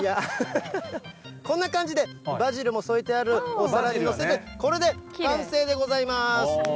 こんな感じで、バジルも添えてあるお皿に載せて、これで完成でございます。